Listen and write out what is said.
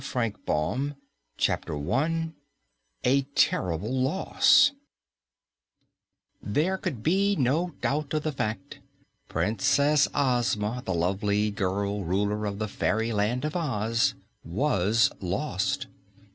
FRANK BAUM CHAPTER 1 A TERRIBLE LOSS There could be no doubt of the fact: Princess Ozma, the lovely girl ruler of the Fairyland of Oz, was lost.